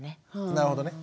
なるほど。